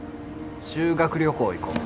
修学旅行行こう。